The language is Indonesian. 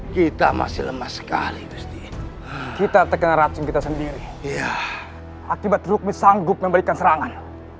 kita masih lemah sekali kita terkena racun kita sendiri akibat rukmi sanggup memberikan serangan